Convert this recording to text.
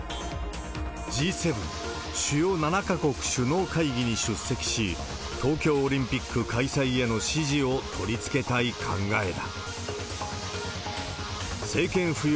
Ｇ７・主要７か国首脳会議に出席し、東京オリンピック開催への支持を取り付けたい考えだ。